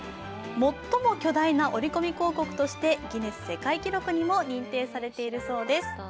最も巨大な折り込み広告としてギネスにも認定されているそうです。